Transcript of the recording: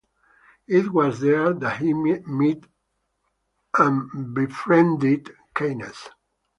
It was there that he met and befriended Keynes.